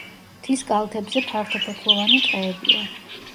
მთის კალთებზე ფართოფოთლოვანი ტყეებია.